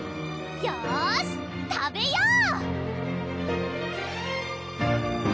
よし食べよう！